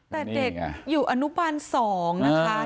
แต่เด็กอยู่อนุบาล๒นะคะ